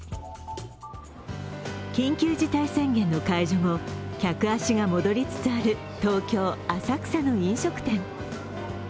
緊急事態宣言の解除後客足が戻りつつある東京・浅草の飲食店。